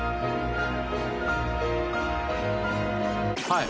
はい。